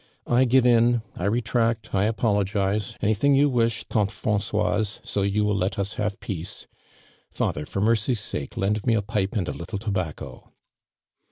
"I give in— I retract, I apdogize! Anything you wish, (ante Krancoiso, so you will let us have peace. Father, for meny's sp.ko, len<l me a pipe and a little tobacco!"